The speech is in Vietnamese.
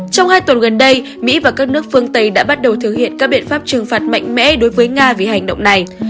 trong hai tuần gần đây mỹ và các nước phương tây đã bắt đầu thực hiện các biện pháp trừng phạt mạnh mẽ đối với nga vì hành động này